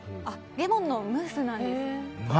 レモンのムースなんです。